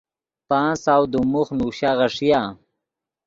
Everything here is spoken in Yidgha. پانچ سو دیم موخ نوشا غیݰیا۔